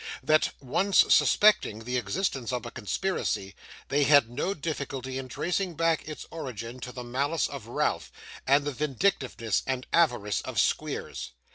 That, once suspecting the existence of a conspiracy, they had no difficulty in tracing back its origin to the malice of Ralph, and the vindictiveness and avarice of Squeers.